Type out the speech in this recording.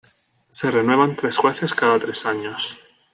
Se renuevan tres jueces cada tres años.